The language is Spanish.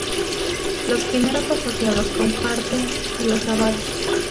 Los primeros asociados con parte de los grabados.